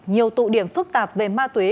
nhiều tụ điểm phức tạp về ma tuế